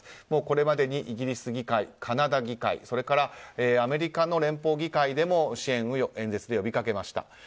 もうこれまでにイギリス議会カナダ議会アメリカの連邦議会でも支援を呼びかけました。